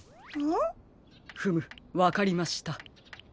んっ？フムわかりました。